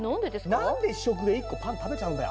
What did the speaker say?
何で試食で１個パン食べちゃうんだよ。